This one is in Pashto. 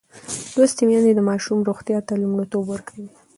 لوستې میندې د ماشوم روغتیا ته لومړیتوب ورکوي.